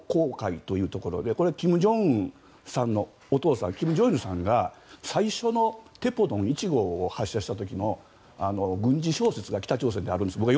これは金正恩さんのお父さん金正日さんが最初のテポドン１号を発射した時の軍事小説が北朝鮮であるんです。